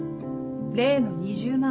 例の２０万